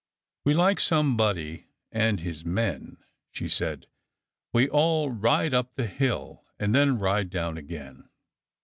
" We are like Somebody and his men," she said; " we all ride up tl* hill, and then ride down again."